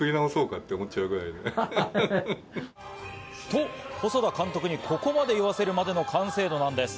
と、細田監督にここまで言わせるまでの完成度なんです。